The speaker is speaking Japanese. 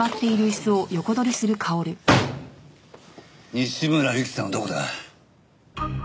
西村由季さんはどこだ？